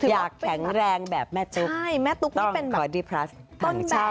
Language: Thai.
อยากแข็งแรงแบบแม่ตุ๊กต้องกดดีพลัสทางเช่านะคะ